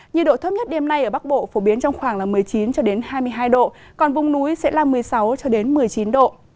nhiệt độ thấp nhất đêm nay ở bắc bộ phổ biến trong khoảng một mươi chín cho đến hai mươi hai độ còn vùng núi sẽ là một mươi sáu một mươi chín độ